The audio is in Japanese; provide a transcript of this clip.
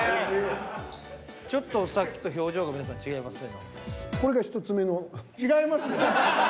ちょっとさっきと表情が皆さん違いますね。